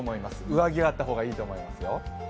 上着があった方がいいと思いますよ。